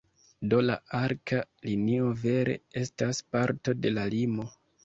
Do la arka linio vere estas parto de la limo.